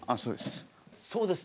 そうです。